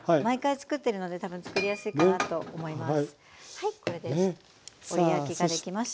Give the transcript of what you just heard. はいこれで折り焼きができました。